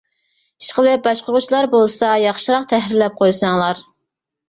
ئىشقىلىپ باشقۇرغۇچىلار بولسا ياخشىراق تەھرىرلەپ قويساڭلار.